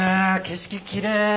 景色きれい！